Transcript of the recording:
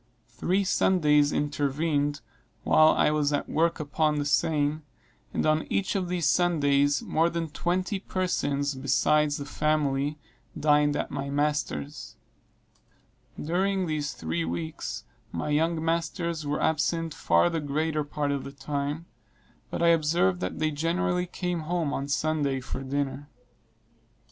Three Sundays intervened while I was at work upon the seine, and on each of these Sundays more than twenty persons, besides the family, dined at my master's. During these three weeks, my young masters were absent far the greater part of the time; but I observed that they generally came home on Sunday for dinner.